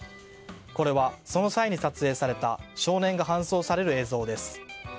これはその際に撮影された少年が搬送される映像です。